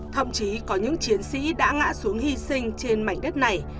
thậm chí có những chiến sĩ đã ngã xuống hy sinh trên mảnh đất này